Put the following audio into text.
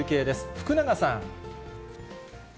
福永さん。